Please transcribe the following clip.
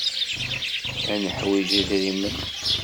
Ad neḥwij idrimen.